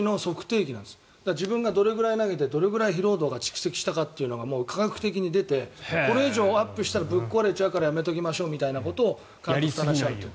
自分がどれくらい投げてどれくらい疲労が蓄積されたかが科学的に出てこれ以上アップしたらぶっ壊れちゃうからやめておきましょうみたいなことが出ている。